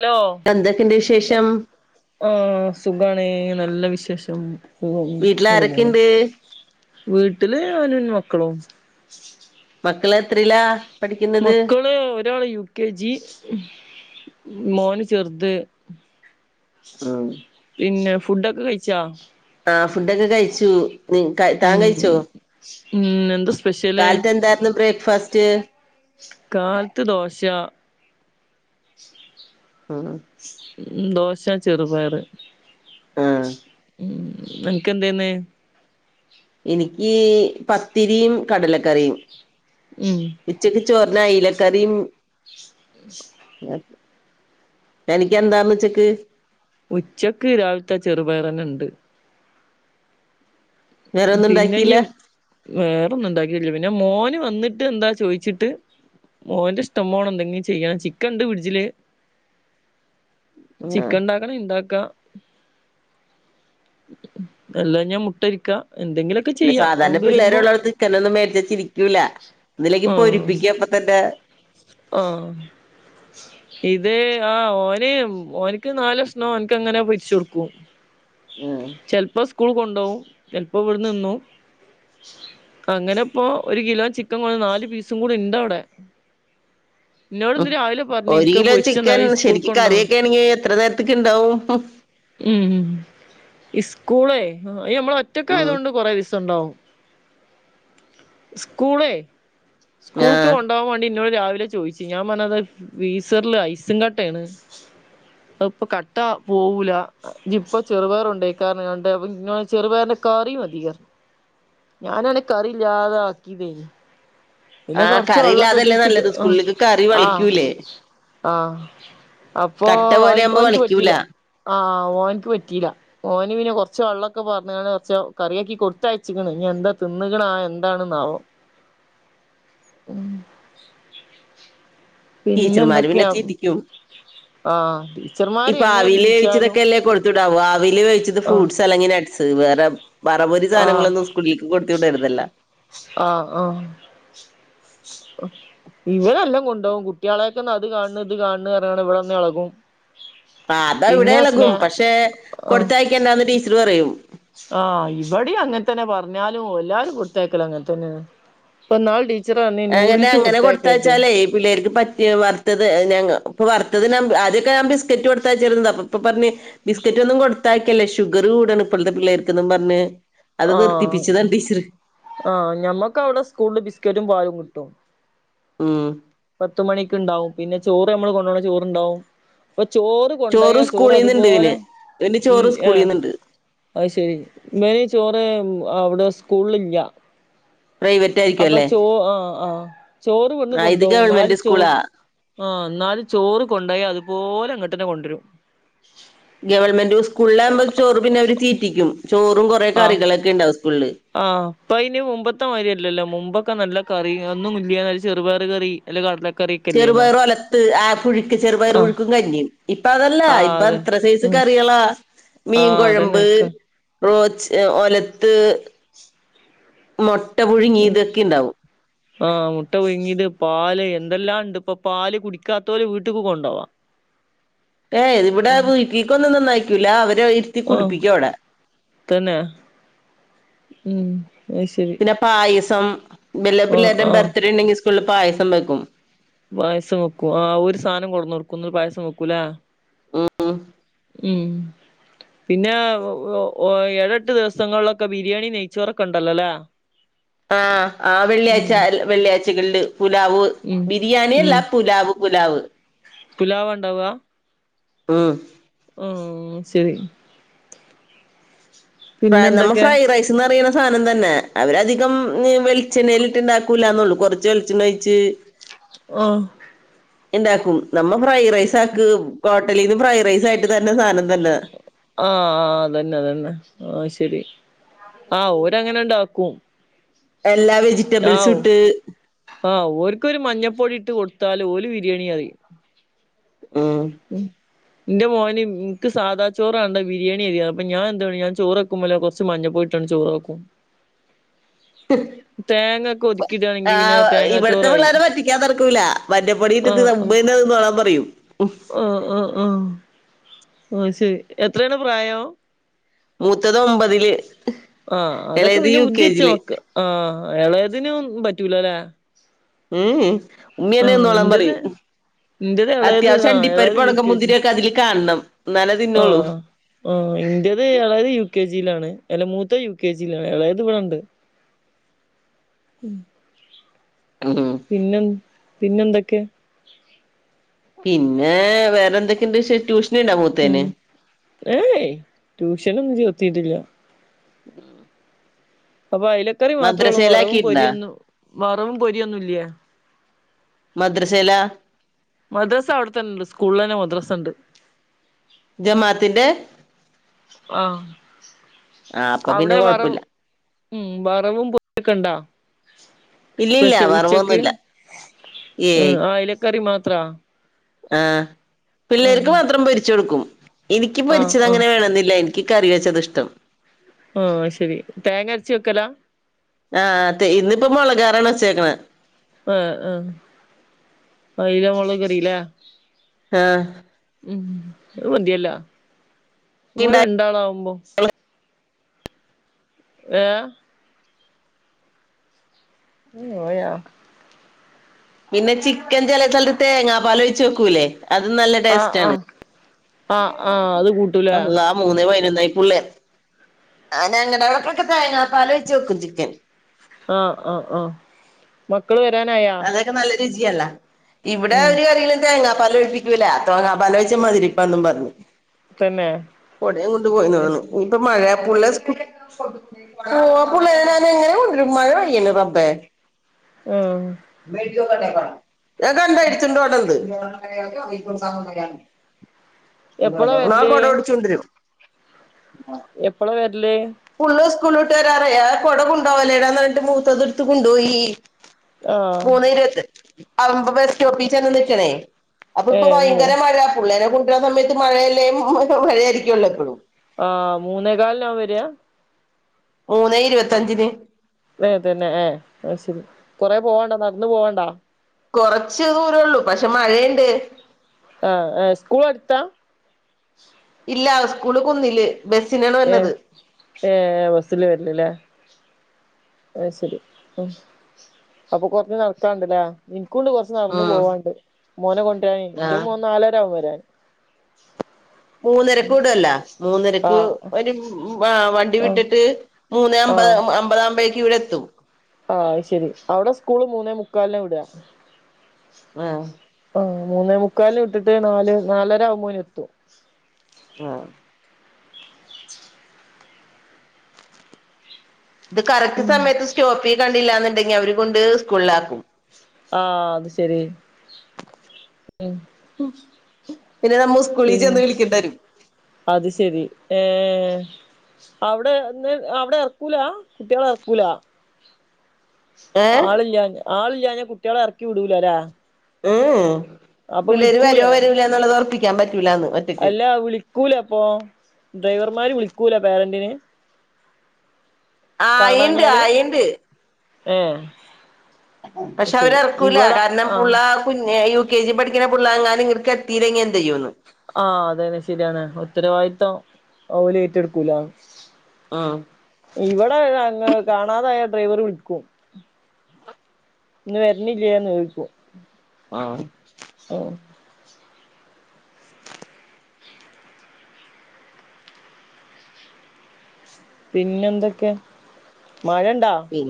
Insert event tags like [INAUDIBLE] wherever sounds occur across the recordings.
Hello. എന്തൊക്കെയുണ്ട് വിശേഷം ആഹ് സുഖാണ്. നല്ല വിശേഷം. വീട്ടിൽ അങ്ങനെ പോണ്. ആരൊക്കെയുണ്ട് വീട്ടില് ഞാനും മക്കളും. മക്കള് എത്രീല. മക്കള് ഒരാള് യു കെ ജി. മോന് ചെറ്ത്. ഉം പിന്നെ ഫുഡൊക്കെ കഴിച്ചാ ആഹ് ഫുഡൊക്കെ കഴിച്ചു. നി താൻ ഉം കഴിച്ചൊ. ഉം എന്താ സ്പെഷ്യല് കാലത്ത് എന്തായിരുന്നു ബ്രേക്ക്ഫാസ്റ്റ്. കാല്ത്ത് ദോശ ഉം ഉം ദോശാ, ചെറുപയറ് ആ ഉം വെൻക്ക് എന്തേന്ന്. എനിക്ക് പത്തിരിയും കടലക്കറിയും. ഉം ഉച്ചക്ക് ചോറിന് ഐലക്കറിം. തനിക്ക് എന്താന്ന് ഉച്ചെക്ക്. ഉച്ചക്ക് രാവിൽത്തെ ചെറുപയറന്നെ ഇണ്ട്. വേറെ ഒന്നും പിന്നെഞ് ഉണ്ടാക്കിയില്ല വേറെ ഒന്നും ഇണ്ടാക്കീല്ല. പിന്നെ മോന് വന്നിട്ട് എന്താ ചോയിച്ചിട്ട്. മോന്റെ ഇഷ്ടം പോണെ എന്തെങ്കും ചെയ്യണം ചിക്കൻണ്ട് ഫ്രീടിജില് ആ ചിക്കൻണ്ടാ ക്കണെ ഇണ്ടാക്ക അല്ലാഞ്ഞ മുട്ട പൊരിക്ക പിന്നെ സാധാരണ പിള്ളേര് ഉള്ളോട്ത്ത് ചിക്കനൊന്നും മേടിച്ചിരിക്കൂല്ല ഒന്നുല്ലെങ്കിൽ പൊരിപ്പിക്ക തന്നെ ആഹ ഇത് ആഹ് ഓന് ഓൻക്ക് നാല് കഷ്ണം ഓന്ക്ക് അങ്ങനെ പൊരിച്ചൊടുക്കും ഉം ചിലപ്പോ സ്കൂൾ കൊണ്ടോവും ചെലപ്പോ ഇവിടെ തിന്നും അങ്ങനെ ഇപ്പോ ഒരു കിലോ ചിക്കൻ കൊട്ന്ന് നാല് പീസും കൂടി ഇണ്ടവിടെ ഇന്നോട് ഇന്ന് ഉം രാവിലെ പറഞ്ഞു ഒരു ഇനിക്ക് അത്‌ കിലോ ചിക്കൻ പൊരിച്ചന്നാളി അത് സ്കൂൾക്ക് ശരിക്ക് കൊണ്ടോവാ കറിയൊക്കെ ആണെങ്കി എത്ര നേരത്തേക്ക് ഇണ്ടാവും ഉം ഇസ്കൂളേ അത് ഞമ്മള് ഉം ഒറ്റക്കായതോണ്ട് കൊറേദിസം ഇണ്ടാവും സ്കൂളേ സ്കൂൾക്ക് ആഹ് കൊണ്ടാവാൻ വേണ്ടി ഇന്നോട് രാവിലെ ചോയിച്ച് ഞാൻ പറഞ്ഞത് ഫ്രീസറിൽ ഐസും കട്ടേണ് അത് ഇപ്പൊ കട്ട പോവൂലാ ജി ഇപ്പൊ ചെറുപയർ കൊണ്ടോയ്ക്കോ പറഞ്ഞ്ങ്ങാണ്ട് ചെറുപയറിന്റെ കറി മതി ഞാനാണെ കറി ഇല്ലാതെ ആക്കിയതേ പിന്നെ ആഹ് കൊറച്ച് വെള്ളൊക്കെ കറിയില്ലാതല്ലേ ഉറ്റിച്ച് നല്ലത് സ്കൂളിലേക്ക് കറി ആഹ് വളിക്കൂലേ ആഹ് അപ്പൊ കട്ട പോലെയാവുമ്പോ ഓന്ക്ക് വളിക്കൂല പറ്റിയില്ല ആഹ് ഓനിക്ക് പറ്റിയില്ല ഓന് പിന്നെ കുറച്ച് വെള്ളൊക്കെ പാർന്നാണ്ട് കുറച്ച് കറിയാക്കി കൊടുത്തയച്ചിക്ക്ണ് ഇനി എന്താ തിന്നുക്കണാ അത്‌ എന്താണെന്നാവോ ഉം ടീച്ചർമാര് പിന്നെ തീറ്റിക്കും ആഹ് ടീച്ചർമാര് ഇപ്പൊ എങ്ങനെ ആവിൽ തിരിച്ചാലും വേവിച്ചതൊക്കെ അല്ലേ കൊടുത്തുടാവും ആവിൽ വെവിച്ചത് ആഹ് ഫ്രൂട്ട്സ് അല്ലെങ്കി നട്ട്സ് വേറെ വറപൊരി ആഹ് സാധനങ്ങളൊന്നും സ്കൂളിലേക്ക് കൊടുത്ത് വിടരുതല്ലോ ആഹ് ആഹ് ഇവളെല്ലാം കൊണ്ടോവും കുട്ട്യാലക്കെന്ന് അത് കാണണ് ഇത് കാണണ്ന്ന് പറഞ്ഞിങ്ങാണ്ട് ഇവിടെ വന്ന് എളകും ആഹ് അതാ ഇവിടെം പിന്നെ സ്നേ ഇളകും പക്ഷെ ആഹ് കൊടുത്തയക്കണ്ടാന്ന് ടീച്ചർ പറയും ആഹ് ഇവിടെ അങ്ങനെ തന്നെ പറഞ്ഞാലും എല്ലാരും കൊടുത്തയക്കല് അങ്ങന് തന്നെ ആണ് ഇപ്പൊ ഇന്നാള് ടീച്ചർ പറഞ്ഞു അങ്ങനെ അങ്ങനെ കൊടുത്തയച്ചാലേ പിള്ളേർക്ക് പറ്റിയ വറുത്തത് ഇപ്പൊ വറുത്തത് ഞാ ആദ്യൊക്കെ ഞാൻ ബിസ്ക്കറ്റ് കൊടുത്തയിച്ചിർന്നത് അപ്പൊ ഇപ്പൊ പറഞ്ഞ് ബിസ്ക്കറ്റ് ഒന്നും കൊടുത്തയക്കല്ലേ ഷുഗർ കൂടാണ് ഇപ്പോഴത്തെ പിള്ളേർക്ക്ന്നും പറഞ്ഞ് അത് ആഹ് നിർത്തിപ്പിച്ചതാണ് ടീച്ചറ് ആഹ് ഞമ്മക്ക് അവിടെ സ്കൂളില് ബിസ്കറ്റും പാലും കിട്ടും ഉം പത്ത് മണിക്ക് ഇണ്ടാവും പിന്നെ ചോറ് ഞമ്മള് കൊണ്ടോണ ചോറുണ്ടാവും അപ്പൊ ചോറ് കൊണ്ടോയ ചോറ് സ്കൂളിൽ നിന്നുണ്ട് അതുപോലെ ഇവന് ഇവന് ചോറ് ആ സ്കൂളിൽ നിന്നുണ്ട് അയ്ശെരി ഇവന് ചോറ് അവിടെ സ്കൂളിൽല്ല പ്രൈവറ്റ് ആയിരിക്കും അപ്പൊ അല്ലേ ചോ ആഹ ആഹ ചോറ് ഇവട്ന്ന് ആ ഇത് കൊണ്ടോവും ഗവൺമെന്റ് സ്കൂളാ ഇന്നാലും ആഹ ഇന്നാലും ചോറ് കൊണ്ടോയാ അതുപോലെ അതുപോലെ ഇങ്ങോട്ടെന്നെ കൊണ്ടരും ഗവൺമെന്റ് സ്കൂളിലാവ്മ്പോ ചോറു പിന്നെ അവര് തീറ്റിക്കും ചോറും കുറെേ ആഹ് കറികളൊക്കെ ഇണ്ടാവും സ്കൂളില് ആഹ് ഇപ്പൊ അയിന് മുമ്പത്തെ മാരി അല്ലല്ലോ മുമ്പൊക്കെ നല്ല കറി ഒന്നും ഇല്ല്യ നല്ല ചെറുപയറ് കറി അയില് കടലക്കറി ഇല്ലേന്നാ ചെറുപയറ് ഒലത്ത് ആ പുഴുക്ക് ചെറുപയറ് ആഹ് പുഴുക്കും കഞ്ഞിയും ഇപ്പ അതല്ല ആഹ് ഇപ്പ അതെ എത്ര സൈസ് ഉം കറികളാ ആഹ് മീൻകൊഴമ്പ് അതന്നെക്കെ റോച്ച് ഒലത്ത് മൊട്ട പുഴുങ്ങിയത് ഒക്കെ ഉണ്ടാവും [UNINTELLIGIBLE] ആഹ മുട്ട പുഴുങ്ങിയത് പാല് എന്തെല്ലാം ഉണ്ട് ഇപ്പൊ പാല് കുടിക്കാത്തോര് വീട്ടിക്ക് കൊണ്ടോവാം [UNINTELLIGIBLE] ഏയ് ഇവിടെ വീട്ടിലേക്കൊന്നുംന്നുംന്നായിക്കൂല അവരെ ഇരുത്തി ആഹ് കുടിപ്പിക്കും അവ്ടെ തന്നെ ഉം അയ്ശരി പിന്നെ പായസം വല്ല പിള്ളേരുടെ ആഹ് ബർത്ത്ഡേ ഉണ്ടെങ്കിൽ സ്കൂളിൽ പായസം വെക്കും പായസം വെക്കും ആഹ് ഓര് സാധനം കൊടന്ന് കൊടുക്കും ഇന്നിട്ട് പായസം വെക്കുംല്ലേ ഉം ഉം ഉം പിന്നെ ഏടെട്ട് ദിവസങ്ങളിലൊക്കെ ബിരിയാണി നെയ്ചോറൊക്കെ ഇണ്ടല്ലോല്ലേ [INAUDIBLE] ആഹ് ആഹ് വെള്ളിയാഴ് വെള്ളിയാഴ്കളിൽ പുലാവ് ഉം ബിരിയാണി അല്ല പുലാവ് പുലാവ് പുലാവ ഇണ്ടാവ ഉം ഉം ശരി പിന്നെ നമ്മ എന്തൊക്കെയാ ഫ്രൈഡ് റൈസ്ന്ന് അറിയണ സാധനം തന്നെ അവരധികം വെളി ചെണ്ണേൽട്ട് ഇണ്ടാക്കൂലാന്നൊള്ളൂ കുറച്ച് വെളിച്ചണ്ണ ഒഴിച്ച് ആഹ് ഇണ്ടാക്കും നമ്മ ഫ്രൈ റൈസാക്ക് ടീന്ന് ഫ്രൈ റൈസായിട്ട് തന്നെ സാനം തന്നെ ആഹ ആഹ് അതന്നെ അതന്നെ ആഹ് ശരി ആഹ് ഓരങ്ങനെ ഇണ്ടാക്കും എല്ലാ വെജിറ്റബിൾസും ആഹ് ഇട്ട് ആഹ് ഓർക്കൊരു മഞ്ഞപ്പൊടി ഇട്ട് കൊടുത്താലും ഓല് ബിരിയാണി പറിയും ഉം ഇന്റെ മോന് എനിക്ക് സാധ ചോറാണ്ട ബിരിയാണി മതിന്ന് അപ്പൊ ഞാൻ എന്തെയ്യും ഞാൻ ചോറ് വെക്കും മല കുറച്ച് മഞ്ഞ പൊടി ഇട്ടാണ്ട് ചോറാക്കും തേങ്ങ ഒക്കെ ഒതുക്കി ഇടാണെങ്കി പിന്നെ ആഹ് തേങ്ങാ ഇവിടത്തെ ചോറായി പിള്ളേരെെ പറ്റിക്കാൻ നടക്കൂല്ല മഞ്ഞപ്പൊടിയിട്ടിട്ട് ആഹ് നമ്മ ആഹ് തന്നെ തിന്നോളാൻ പറയും ആഹ് ആഹ് ആഹ് ഓഹ് ശരി എത്രയാണ് പ്രായം മൂത്തത് ഒമ്പതില് ഏളേത് യു കെ ജിയില് ആഹ എളേതിന് പറ്റൂലല്ലേ ഉം ഉമ്മി തന്നെ ആഹ് തിന്നോളാൻ ഇന്റത് പറയും ഇന്റത് എളയത് അത്യാവശ്യം ആഹ് അണ്ടിപ്പരി എളയത് യു ഒണങ്ക കെ ജി മുന്തിരി ഒക്കെ അതിൽ കാണണം എന്നാലെ തിന്നൊള്ളൂ ആ ഇന്റത് എളയത് യു കെ ജിയിലാണ് അല്ല മൂത്തത് യു കെ ജിയിലാണ് എളയത് ഇവിടെ ഇണ്ട് ഉം ഉം പിന്നെ പിന്നെ എന്തൊക്കെ പിന്നെ വേറെന്തൊക്കെയുണ്ട് വിശേഷം ഉം ഏയ് ട്യൂഷനൊന്നും ചേർത്തീട്ടില്ല ഉം അപ്പൊ അയിലക്കറി മാത്രേള്ളൂ വറവും മദ്രസയിലാക്കിയിട്ടുണ്ടാ പൊരിയൊന്നും വറവും പൊരിയൊന്നും ഇല്ല്യേ മദ്രസ്സേലാ മദ്രസ അവിടെത്തന്നെണ്ട് സ്കൂളിൽ തന്നെ മദ്രസണ്ട് ജമാഅത്തിന്റെ ആഹ് ആഹ് അപ്പൊ പിന്നെ അവിടെ വറവ് കൊഴപ്പില്ല ഉം വറവും പോ [UNINTELLIGIBLE] ഇല്ലില്ല സ്പെഷ്യൽ ഉച്ചക്ക് വറവൊന്നുമില്ല ഉം ആയിലക്കറി മാത്രാ ആഹ് ആഹ് പിള്ളേർക്ക് മാത്രം പൊരിച്ച് കൊടുക്കും എനിക്ക് ആഹ് പൊരിച്ചത് ആഹ് അങ്ങനെ വേണന്നില്ല എനി ക്ക് കറി വെച്ചതാ ഇഷ്ടം ആഹ് അഹ് ശരി തേങ്ങരച്ച് വെക്കലാ ആഹ് തേ ഇന്നിപ്പോ മുളകാറാണ് വെച്ചേക്കണ ആഹ് ആഹ് അയ്ല മൊളക് കറില്ലേ ആഹ് ഉം അത് മതിയല്ലോ ഇങ്ങള് ഇണ്ടായി രണ്ടാളാവുമ്പോ ഏഹ് [UNINTELLIGIBLE] പിന്നെ ചിക്കൻ ചില സ്ഥലത്ത് തേങ്ങാ പാല് ഒഴിച്ച് വെക്കൂല്ലേ അതും നല്ല ആഹ് ടേസ്റ്റ് ആണ് ആഹ് ആഹ് ആഹ് അത് കൂട്ടൂലേ [UNINTELLIGIBLE] മൂന്ന് പതിനൊന്നായി പുള്ളെ ആഹ് ഞങ്ങടെ ഇവിടെ ഒക്കെ താങ്ങപ്പാല് ഒഴിച്ച് വെക്കും ചിക്കൻ ആഹ് ആഹ് ആഹ് മക്കള് വരാനായോ? അതൊക്കെ നല്ല രുചിയല്ല ഇവിടെ ഒരു കറീലും തേങ്ങാപ്പാല് ഒഴിപ്പിക്കില്ല തേങ്ങാപാലൊഴിച്ചാ മധുരിപ്പാന്നും പറഞ് തന്നെ കുട കൊണ്ട് അത് പോയിന്നോന്നു ശരി ഇനി ഇപ്പൊ മഴ പുള്ള സ് ഓഹ് [UNINTELLIGIBLE] എങ്ങനെ കൊണ്ട് വരും മഴ പെയ്യണ് റബ്ബേ ആഹ് ഞാൻ കണ്ടു എടുത്തോണ്ട് ഓടണത് എപ്പളാ വരല് കുട ഓടിച്ചോണ്ടിരും എപ്പളാ വരല് പുള്ളെ സ്കൂൾ വിട്ട് വരാറായി ആ കൊട കൊണ്ടോവല്ലേടാ പറഞ്ഞിട്ട് മൂത്തത് എടുത്ത് കൊണ്ടോയി ആഹ് മൂന്നേ ഇരുപത് ആവുമ്പോ ബസ് സ്റ്റോപ്പ്‌ ചെന്ന് നിക്കണേ അപ്പൊ ഏ ഇപ്പൊ മൂ ഭയങ്കര മഴ പുള്ളേനെ കൊണ്ടരുന്ന സമയത്ത് മഴയല്ലേ മഴ ആയിരിക്കുവല്ലോ എപ്പഴും ആഹ് മൂന്നേക്കാലിനാ അവൻ വരാ മൂന്നേ ഇരുപത്തഞ്ചിന് ഏഹ് തന്നെ ഏഹ് അഹ് ശരി കൊറേ പോവാണ്ടോ നടന്നു പോവാണ്ടോ കൊറച്ച് ദൂരേള്ളൂ പക്ഷെ മഴയുണ്ട് ആഹ് ആഹ് സ്കൂൾ അടുത്താ ഇല്ല സ്കൂള് കുന്നില് ബസ്സിനാണ് വരുന്നത് ഏഹ് ബസ്സിലാ വരല് ല്ലേ അഹ് ശരി ഉം അപ്പൊ കൊറഞ് നടക്കാണ്ടല്ലേ ഇൻക്കൂണ്ട് കൊറ ച്ച് നടന്നു ഉം പോവാണ്ട് മോനെ കൊണ്ടുവരാനെയ് ഇന്റെ ആഹ് മോൻ നാലര ആവും വരാന് മൂന്നരക്ക് വിടോലോ മൂന്നരക്ക് ഓര് വണ്ടി ആഹ് വിട്ടിട്ട് മൂന്നേ അമ്പത് ആഹ് അമ്പതാകുമ്പഴേക്ക് ഇവിടെ എത്തും ആഹ് അഹ് ശരി അവിടെ സ്കൂള് മൂന്നേ മുക്കാലിനാ വിടാ ആഹ് ആഹ് മൂന്നേ മുക്കാലിന് വിട്ടിട്ട് നാല് നാലര ആവുമ്പോത്തിന് എത്തും ആഹ് ഇത് കറക്റ്റ് ഉം സമയത്ത് സ്റ്റോപ്പി കണ്ടില്ലാന്നുണ്ടെങ്കി അവര് കൊണ്ട് പോയി സ്കൂളില് ആക്കും ആഹ് അത് ശരി ഉം. ഉം പിന്നെ നമ്മള് സ്കൂളീ പിൻ ചെന്ന് വിളിക്കേണ്ടരും. അത് ശരി ഏഹ്- അവിടെന്ന് അവിടെ എറക്കൂലാ കുട്ടികളെ എറക്കൂലാ? ഏ ആളില്ല്യാ ആളില്ല്യാഞാ കുട്ടികളെ എറക്കി വിടൂലല്ലേ? േ് അപ്പൊ പിള്ളേര് വരോ വിളിക്കൂലേ വരൂലേന്ന്ള്ളത് ഒർപ്പിക്കാൻ പറ്റൂലാന്ന്. ഒറ്റക്ക് അല്ല വിളിക്കൂലപ്പോ? ഡ്രൈവർമാര് വിളിക്കൂല പേരന്റിന്? ആയിണ്ട് കാണാഞ്ഞാല് ആയിണ്ട് ഏഹ് പക്ഷെ അവര് എറക്കൂലാ കാരണം പുള്ളാ പിന്നെ യു കെ ജി പഠിക്കുന്ന പിള്ളേങ്ങാനും ഇവ്ട്ക്ക്ത്തീലെങ്ങി എന്തെയ്യുന്ന്? ആഹ് അതന്നെ ശരിയാണ് ഉത്തരവാദിത്തം ഓലെറ്റ്ട്ക്കൂലാന്ന്. ആഹ് ഇവിടെങ്ങ് കാണാതായ ഡ്രൈവർ വിളിക്കും. ഇന്ന് വരുന്നില്ലേന്ന് ചോദിക്കും. ആഹ്- ആഹ് പിന്നെന്തൊക്കെ? മഴണ്ടൊ? എ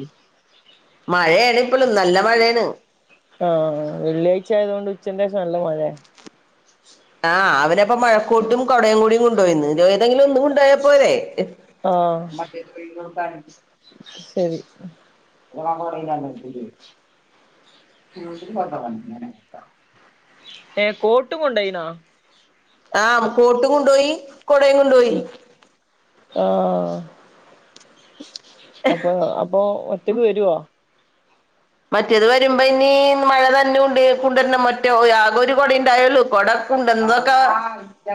മഴേണിപ്പളും നല്ല മഴേണ്. ആഹ് വെള്ളിയാഴ്ച്ചായതുകൊണ്ട് ഉച്ചന്റേഷം നല്ല മഴെ. ആ അവനപ്പം മഴക്കോട്ടും കൂടയും കൂടി കൊണ്ട്പോയീന്ന് ഏതെങ്കിലും ഒന്നു കൊണ്ടു പോയാപോരെ? ആഹ് ശരി. അ പറല്ല [UNINTELLIGIBLE] ഏഹ് കോട്ടും കൊണ്ടയിനോ? ആഹ് കോട്ടും കൊണ്ടോയി കൊടേം ഉം ആഹ് അപ്പൊ അപ്പൊ ഒറ്റക്ക് വരോ? മറ്റേത് വരുമ്പോ ഇനി മഴ നനഞ്ഞ് കൊണ്ടുവരണം മറ്റോ ആകെ ഒരു കുട ഉണ്ടായൊള്ളു കുട- ഉണ്ടൊക്കെ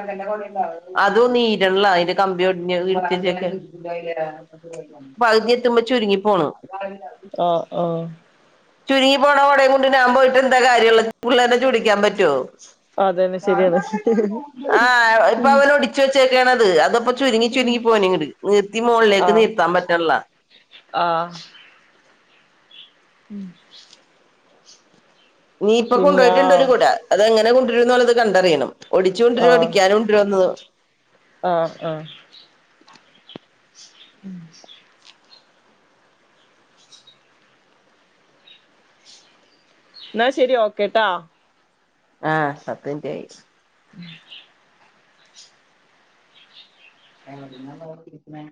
ന്റെണണ്ടാവ [UNINTELLIGIBLE] അതും നീര്ൺല്ല അതിന്റെ കമ്പി ഒടിഞ്ഞത് ഇട്ത്തേച്ച്ക്ക. പകുതി എത്തുമ്പ ചുരുങ്ങി പോണു. ആഹ് ആഹ് ചുരുങ്ങി പോണ കുടേം കൊണ്ട് ഞാൻ പോയിട്ടെടന്താ കാര്യള്ള് പുള്ളേരെ ചൂടിക്കാൻ പറ്റോ? അതന്നെ ശരിയാണ് ഹ് ഹ് ആ ഇപ്പൊ അവരൊടിച്ച് വെച്ചേക്കാണത് അതൊപ്പ ചുരുങ്ങി ചുരുങ്ങി പോണിങ്ങ്ട്. തിമോളിലേക്ക് ആഹ് നിർത്താൻ പറ്റൺല്ല. ആഹ് ഉം [UNINTELLIGIBLE] നീപ്പൊ പിന്നെ കൊണ്ടുപോയിട്ടുണ്ടൊരു ആഹ് കുട. അതെങ്ങനെ കൊണ്ടുവരു എന്നത് കണ്ടറിയണം ഒടിച്ചു കൊണ്ടിരോ ഒടിക്കാതെ കൊണ്ടരോന്ന്. ആഹ് ആഹ് ഉം [UNINTELLIGIBLE] ന്നാ ശരി ഓക്കേ ട്ടോ. ആ പത്ത് മിനിറ്റായി ഉം [UNINTELLIGIBLE] എവിട്ന്നാ നോക്കീക്ണെ?